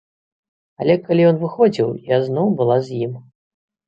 Але калі ён выходзіў, я зноў была з ім.